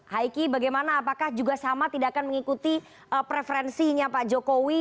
haiki bagaimana apakah juga sama tidak akan mengikuti preferensinya pak jokowi